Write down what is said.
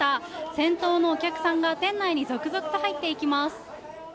先頭のお客さんが店内に続々と入っていきます。